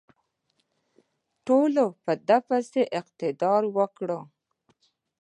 ټولو په ده پسې اقتدا وکړه.